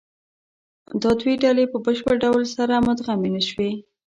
دا دوې ډلې په بشپړ ډول سره مدغمې نهشوې.